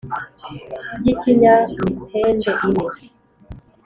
ry’ ikinyamitende ine